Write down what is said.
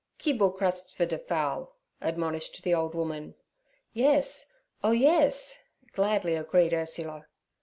'Keeb all crus' for der fowl' admonished the old woman. 'Yes, oh yes' gladly agreed Ursula.